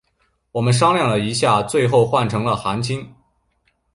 我们商量了一下最后就换成了韩青。